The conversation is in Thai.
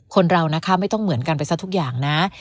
คนเรานะคะไม่ต้องเหมือนกันไปซะทุกอย่างนะ